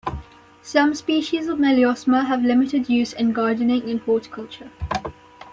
Some species of "Meliosma" have a limited use in gardening and horticulture.